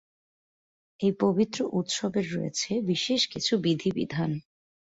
এই পবিত্র উৎসবের রয়েছে বিশেষ কিছু বিধিবিধান।